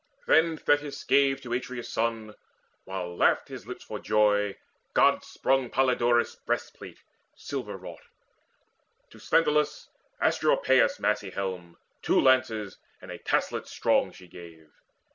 Then Thetis gave To Atreus' son, while laughed his lips for joy, God sprung Polydorus' breastplate silver wrought. To Sthenelus Asteropaeus' massy helm, Two lances, and a taslet strong, she gave.